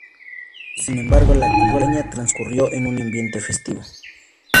Sin embargo, la campaña transcurrió en un ambiente festivo.